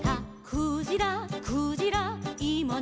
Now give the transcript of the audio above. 「クジラクジラいまなんじ」